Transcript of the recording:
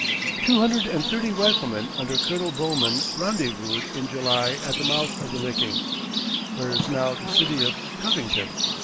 Two hundred and thirty riflemen under Colonel Bowman rendezvoused in July at the mouth of the Licking, where is now the city of Covington.